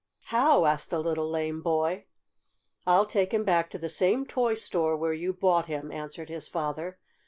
"How?" asked the little lame boy. "I'll take him back to the same toy store where you bought him," answered his father.